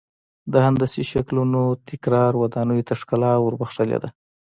د هندسي شکلونو تکرار ودانیو ته ښکلا ور بخښلې ده.